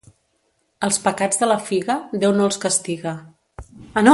Els pecats de la figa, Déu no els castiga.